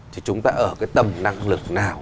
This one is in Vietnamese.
thì chúng ta ở cái tầm năng lực nào